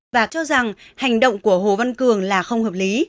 và cho rằng hành động của hồ văn cường là không hợp lý